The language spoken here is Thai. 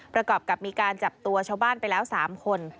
ประกอบกับมีการจับตัวชาวบ้านไปแล้ว๓คน